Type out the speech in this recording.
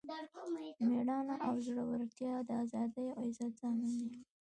میړانه او زړورتیا د ازادۍ او عزت ضامن دی.